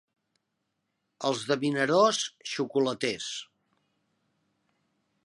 Els de Vinaròs, xocolaters.